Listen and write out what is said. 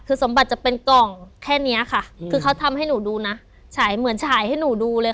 คือสมบัติจะเป็นกล่องแค่เนี้ยค่ะคือเขาทำให้หนูดูนะฉายเหมือนฉายให้หนูดูเลยค่ะ